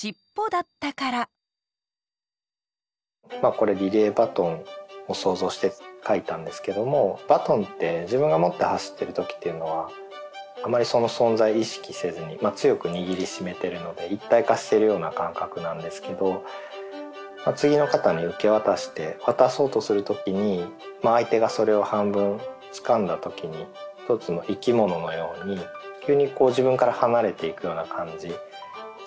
これリレーバトンを想像して書いたんですけどもバトンって自分が持って走ってる時っていうのはあまりその存在意識せずに強く握りしめてるので一体化してるような感覚なんですけど次の方に受け渡して渡そうとする時に相手がそれを半分つかんだ時にその瞬間がしっぽのようだなって。